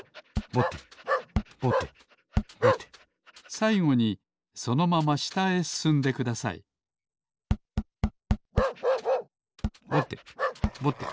さいごにそのまましたへすすんでくださいぼてぼて。